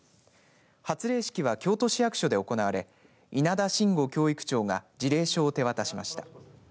発令式は京都市役所で行われ稲田新吾教育長が辞令書を手渡しました。